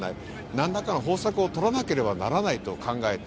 何らかの方策を取られなければならないと考えた。